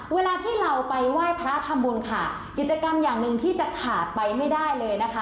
เวลาที่เราไปไหว้พระทำบุญค่ะกิจกรรมอย่างหนึ่งที่จะขาดไปไม่ได้เลยนะคะ